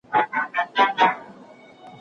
ما د علمي تجربو تمرين کړی دی.